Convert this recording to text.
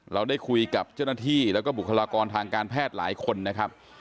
เราได้คุยกับเจ้าหน้าที่แล้วก็บุคลากรทางการแพทย์หลายคนนะครับ